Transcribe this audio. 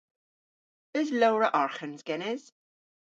Eus lowr a arghans genes?